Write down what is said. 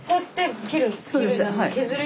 切る。